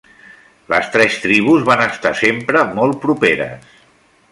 Les tres tribus van estar sempre molt properes.